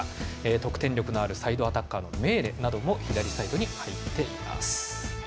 得点力のあるサイドアタッカーのメーレなども左サイドに入っています。